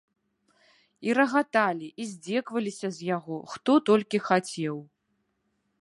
І рагаталі, і здзекаваліся з яго, хто толькі хацеў.